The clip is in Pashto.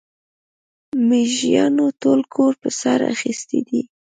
مېږيانو ټول کور پر سر اخيستی دی.